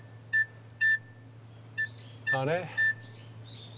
あれ？